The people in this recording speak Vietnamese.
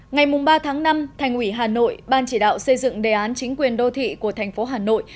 ngày ba tháng năm thành ủy hà nội ban chỉ đạo xây dựng đề án chính quyền đô thị của thành phố hà nội